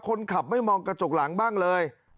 คนขับไม่มองกระจกหลังบ้างเลย